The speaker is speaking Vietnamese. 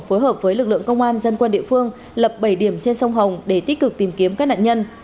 phối hợp với lực lượng công an dân quân địa phương lập bảy điểm trên sông hồng để tích cực tìm kiếm các nạn nhân